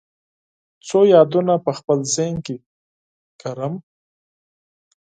څو یادونه په خپل ذهن کې کرم